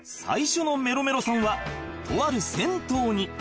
［最初のメロメロさんはとある銭湯に］